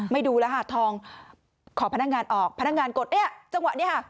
ไม่ดูแล้วทองขอพนักงานออกพนักงานกดจังหวะนี้ค่ะ